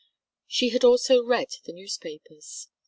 She had also read the newspapers.